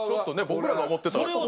僕らが思ってたのと。